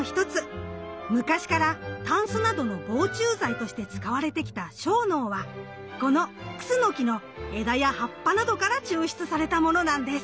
昔からタンスなどの防虫剤として使われてきた樟脳はこのクスノキの枝や葉っぱなどから抽出されたものなんです。